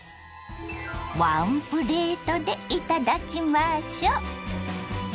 ワンプレートでいただきましょ。